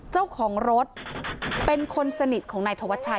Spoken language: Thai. เจ้าของรถเป็นคนสนิทของนายธวัชชัย